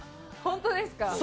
本当ですか？